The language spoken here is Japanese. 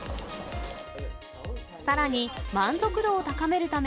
さらに、満足度を高めるため、